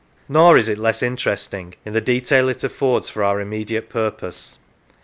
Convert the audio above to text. Nor is it less interest ing in the detail it affords for our immediate purpose.